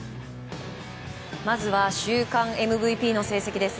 まずは週間ＭＶＰの成績です。